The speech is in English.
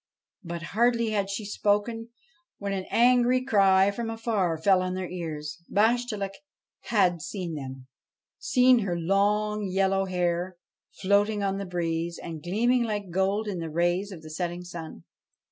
But hardly had she spoken when an angry cry from afar fell on their ears. Bashtchelik had seen them seen her long, yellow hair floating on the breeze and gleaming like gold in the rays of the setting sun.